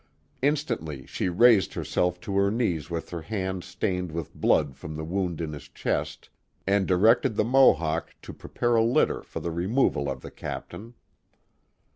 Instantly she raised herself to her knees with her hand stained with blood from the wound in his chest, and directed the Mohawk to prepare a litter for the removal of the captain.